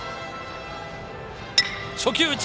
初球打ち！